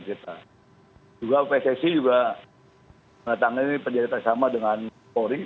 juga pssi juga mengetahui penjahit yang sama dengan polri